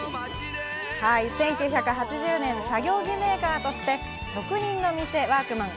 １９８０年、作業着メーカーとして「職人の店ワークマン」